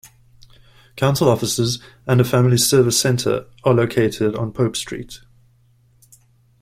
Council offices, and a Family Services Centre, are located on Pope Street.